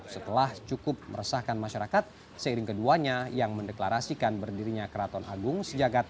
setelah cukup meresahkan masyarakat seiring keduanya yang mendeklarasikan berdirinya keraton agung sejagat